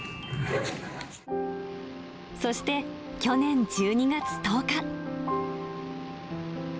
そして去年１２月１０日。